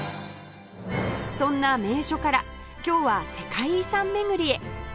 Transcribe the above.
そんな名所から今日は世界遺産巡りへ